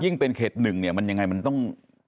ยิ่งเป็นเขต๑เนี่ยมันยังไงมันต้อง